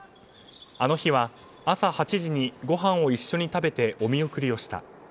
あの日は朝８時にごはんを一緒に食べてお見送りをした。